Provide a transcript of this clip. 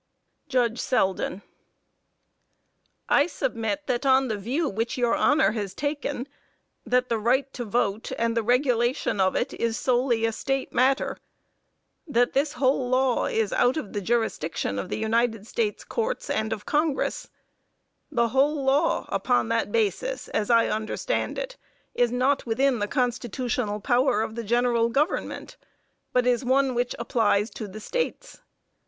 JUDGE SELDEN: I submit that on the view which your Honor has taken, that the right to vote and the regulation of it is solely a State matter. That this whole law is out of the jurisdiction of the United States Courts and of Congress. The whole law upon that basis, as I understand it, is not within the constitutional power of the general Government, but is one which applies to the States.